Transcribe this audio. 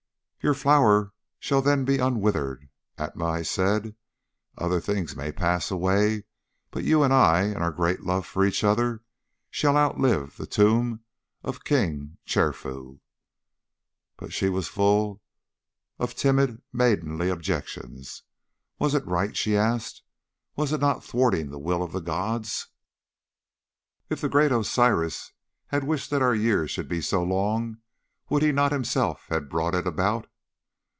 "'Your flower shall then be unwithered, Atma,' I said. 'Other things may pass away, but you and I, and our great love for each other, shall outlive the tomb of King Chefru.' "But she was full of timid, maidenly objections. 'Was it right?' she asked, 'was it not a thwarting of the will of the gods? If the great Osiris had wished that our years should be so long, would he not himself have brought it about?